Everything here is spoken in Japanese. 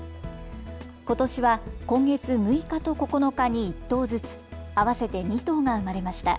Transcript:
ことしは今月６日と９日に１頭ずつ合わせて２頭が生まれました。